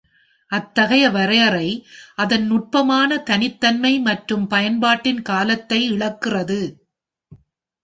அத்தகைய வரையறை அதன் நுட்பமான தனித்தன்மை மற்றும் பயன்பாட்டின் காலத்தை இழக்கிறது.